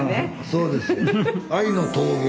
そうですよ。